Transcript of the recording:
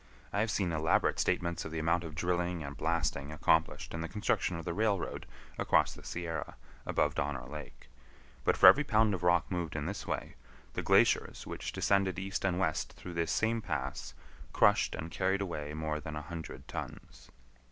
I have seen elaborate statements of the amount of drilling and blasting accomplished in the construction of the railroad across the Sierra, above Donner Lake; but for every pound of rock moved in this way, the glaciers which descended east and west through this same pass, crushed and carried away more than a hundred tons.